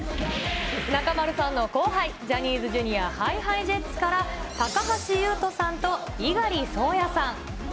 中丸さんの後輩、ジャニーズＪｒ．ＨｉＨｉＪｅｔｓから、高橋優斗さんと猪狩蒼弥さん。